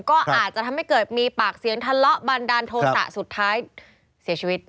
ก็อาจจะทำให้เกิดมีปากเสียงทะเลาะบันดาลโทษะสุดท้ายเสียชีวิต